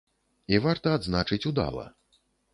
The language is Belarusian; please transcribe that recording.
І, варта адзначыць, удала.